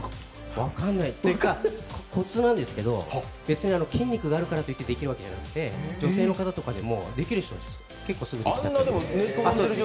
分かんないっていうか、こつなんですけど、筋肉があるからできるわけじゃなくて女性の方とかでも、できる人は結構すぐできちゃって。